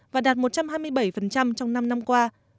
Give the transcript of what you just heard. và đạt một trăm hai mươi bảy trong năm năm qua